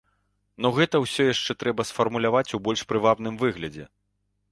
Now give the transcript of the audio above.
Ну гэта ўсё яшчэ трэба сфармуляваць у больш прывабным выглядзе.